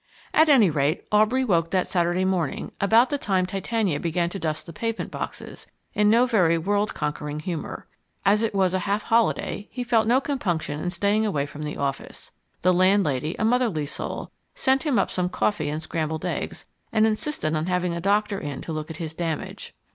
At any rate, Aubrey woke that Saturday morning, about the time Titania began to dust the pavement boxes, in no very world conquering humour. As it was a half holiday, he felt no compunction in staying away from the office. The landlady, a motherly soul, sent him up some coffee and scrambled eggs, and insisted on having a doctor in to look at his damage.